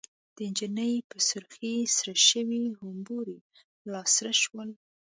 د نجلۍ په سرخۍ سره شوي غومبري لاسره شول.